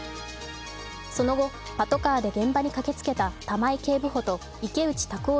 その後、パトカーで現場に駆けつけた玉井警部補と池内卓夫